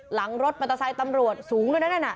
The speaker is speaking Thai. หลังรถมาตะไซด์ตำรวจสูงเลยนั่นน่ะ